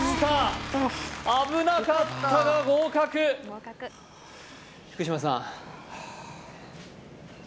よかった危なかったが合格福島さん